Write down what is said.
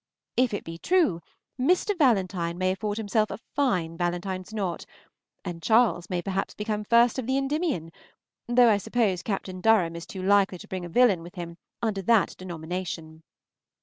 If it be true, Mr. Valentine may afford himself a fine Valentine's knot, and Charles may perhaps become first of the "Endymion," though I suppose Captain Durham is too likely to bring a villain with him under that denomination.